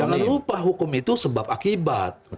jangan lupa hukum itu sebab akibat